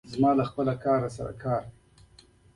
زه ورته وویل موږ هم همداسې یو.